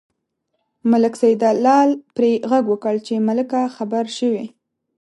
ملک سیدلال پرې غږ وکړ چې ملکه خبر شوې.